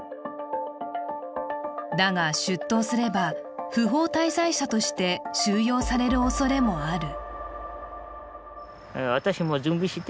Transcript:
だが、出頭すれば不法滞在者として収容されるおそれもある。